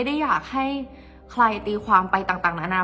เพราะในตอนนั้นดิวต้องอธิบายให้ทุกคนเข้าใจหัวอกดิวด้วยนะว่า